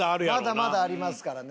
まだまだありますからね。